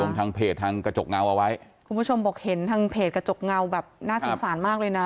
ทางเพจทางกระจกเงาเอาไว้คุณผู้ชมบอกเห็นทางเพจกระจกเงาแบบน่าสงสารมากเลยนะ